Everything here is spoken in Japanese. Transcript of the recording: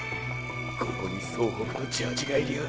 ここに総北のジャージがいりゃあ